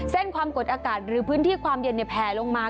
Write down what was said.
ความกดอากาศหรือพื้นที่ความเย็นแผลลงมา